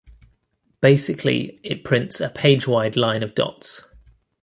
Basically, it prints a page-wide line of dots.